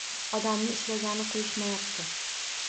Odamni ishlagani qoʻyishmayapti.